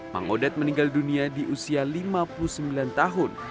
mang odet meninggal dunia di usia lima puluh sembilan tahun